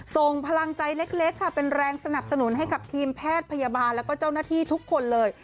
ส่งพลังใจเล็กค่ะเป็นแรงสนับสนุนให้กับทีมแพทย์พยาบาลแล้วก็เจ้าหน้าที่ทุกคนเลย